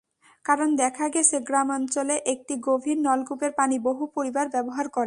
কারণ, দেখা গেছে গ্রামাঞ্চলে একটি গভীর নলকূপের পানি বহু পরিবার ব্যবহার করে।